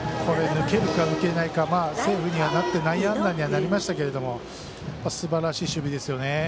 抜けるか抜けないかセーフにはなって内野安打になりましたがすばらしい守備ですよね。